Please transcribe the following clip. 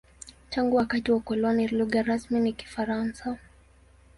Tangu wakati wa ukoloni, lugha rasmi ni Kifaransa.